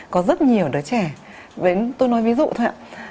có rất nhiều đứa trẻ tôi nói ví dụ thôi ạ